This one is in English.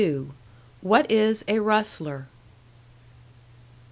XXII. "WHAT IS A RUSTLER?"